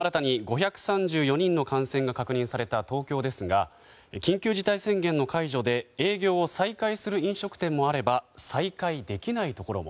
今日新たに５３４人の感染が確認された東京ですが緊急事態宣言の解除で営業を再開する飲食店もあれば再開できないところも。